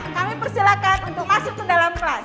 kami persilahkan untuk masuk ke dalam kelas